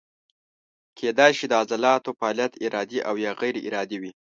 کیدای شي د عضلاتو فعالیت ارادي او یا غیر ارادي وي.